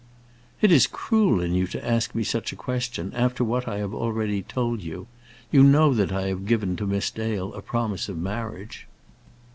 "It is cruel in you to ask me such a question, after what I have already told you. You know that I have given to Miss Dale a promise of marriage."